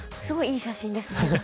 すごいいい写真ですね